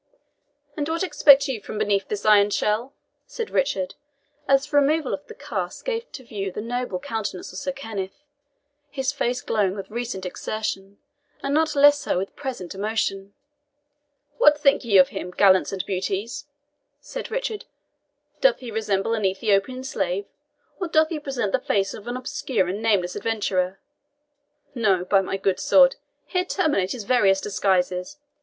"And what expect you from beneath this iron shell?" said Richard, as the removal of the casque gave to view the noble countenance of Sir Kenneth, his face glowing with recent exertion, and not less so with present emotion. "What think ye of him, gallants and beauties?" said Richard. "Doth he resemble an Ethiopian slave, or doth he present the face of an obscure and nameless adventurer? No, by my good sword! Here terminate his various disguises.